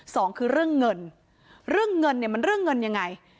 สองคือเรื่องเงินเรื่องเงินเนี่ยมันเรื่องเงินยังไง